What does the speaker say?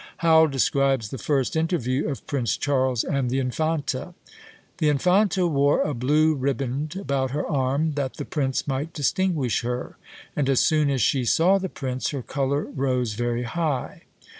Howel describes the first interview of Prince Charles and the Infanta. "The Infanta wore a blue riband about her arm, that the prince might distinguish her, and as soon as she saw the prince her colour rose very high."